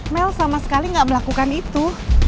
mel sama sekali nggak melakukan itu